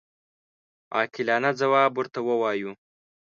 عاقلانه ځواب ورته ووایو.